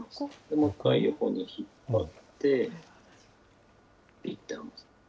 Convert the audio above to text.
もう１回横に引っ張って、ぴって離す。